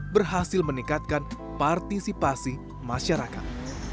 berhasil meningkatkan partisipasi masyarakat